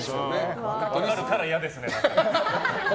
分かるから嫌ですね。